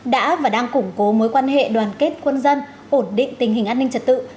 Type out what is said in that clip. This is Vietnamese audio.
đã và đang củng cố mối quan hệ đoàn kết quân dân ổn định tình hình an ninh trật tự